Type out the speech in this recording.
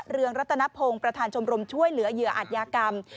เรืองรัตนพงศ์ประธานชมรมช่วยเหลือเหยื่ออัตยากรรม